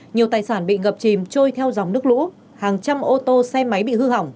nhiều tài sản bị ngập chìm trôi theo dòng nước lũ hàng trăm ô tô xe máy bị hư hỏng